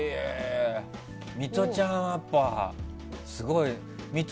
ミトちゃんはやっぱすごい。